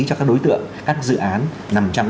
cho các đối tượng các dự án nằm trong